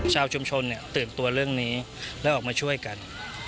ชาวชุมชนตื่นตัวเรื่องนี้แล้วออกมาช่วยกัน